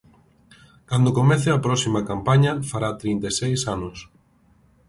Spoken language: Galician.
Cando comece a próxima campaña fará trinta e seis anos.